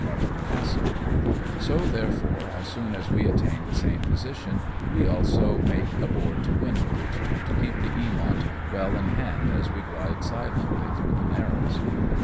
237 part of the passage ; so therefore, as soon as we attain the same position, we also make a board to windward, to keep the Eamont well in hand as we glide silently through the narrows.